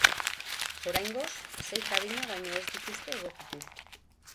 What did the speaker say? Oraingoz, sei kabina baino ez dituzte egokitu.